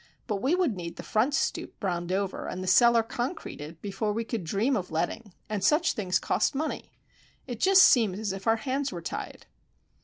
But we would need the front stoop browned over, and the cellar concreted, before we could dream of letting; and such things cost money. It just seems as if our hands were tied."